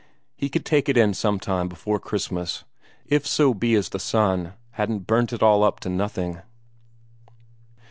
He could take it in some time before Christmas, if so be as the sun hadn't burnt it all up to nothing.